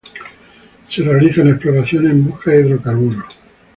Se realizan exploraciones en busca de hidrocarburos.